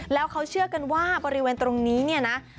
แล้วเขาเชื่อกันว่าบริเวณตรงนี้เนี่ยนะ